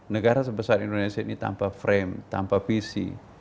negara sebesar indonesia ini tanpa frame tanpa visi